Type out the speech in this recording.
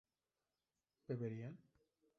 ¿beberían?